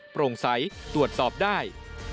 โปร่งใสตรวจสอบได้